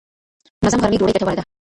منظم غرمې ډوډۍ ګټوره ده.